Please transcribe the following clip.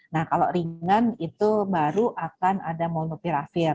nah kalau ringan itu baru akan ada molnupiravir